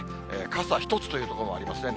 傘一つという所もありますね。